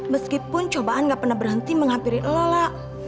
meskipun cobaan gak pernah berhenti menghampiri lo la